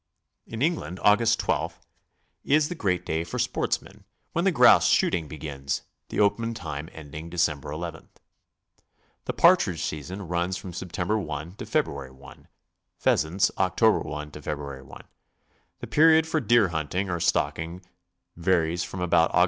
In England, Aug. 12 is the great day for sportsmen, when the grouse s hooting begins, the open time ending Dec. II. The partridge season runs from Sept, i to Feb. i; pheasants, Oct. i to Feb. i. The period for deer hunting or stalking varies from about Aug.